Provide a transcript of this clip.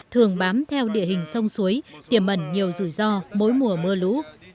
thường bám theo địa hình sông suối tiềm mẩn nhiều rủi ro mỗi mùa mưa lũ